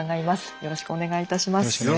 よろしくお願いします。